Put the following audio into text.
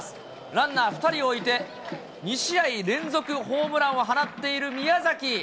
ランナー２人を置いて、２試合連続ホームランを放っている宮崎。